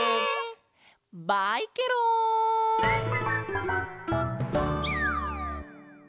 バイケロン！